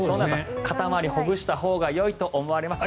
肩回りをほぐしたほうがよいと思われます。